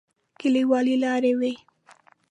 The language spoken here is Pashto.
کليوالي لارې وې.